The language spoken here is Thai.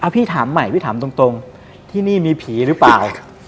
พี่ถามใหม่พี่ถามตรงที่นี่มีผีหรือเปล่า